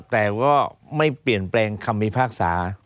แต่ก็ไม่เปลี่ยนแปลงคำพิพากษา